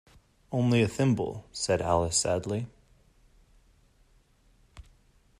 ‘Only a thimble,’ said Alice sadly.